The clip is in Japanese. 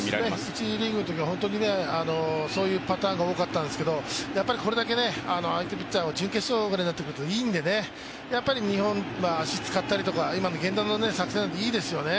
１次リーグのときはそういうパターンが多かったんですけど相手ピッチャーが準決勝ぐらいになってくるといいんでね日本は足を使ったりとか、今の源田の作戦なんていいですよね。